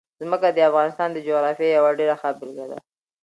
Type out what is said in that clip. ځمکه د افغانستان د جغرافیې یوه ډېره ښه بېلګه ده.